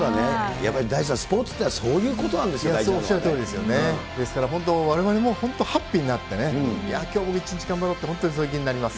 やっぱり大地さん、スポーツってそういうことなんですよ、大事なですから、本当、われわれも本当、ハッピーになって、いやきょうも一日頑張ろうと、本当にその気になります。